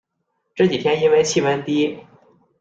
这几天因为气温低